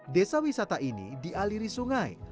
desa wisata ini dialiri sungai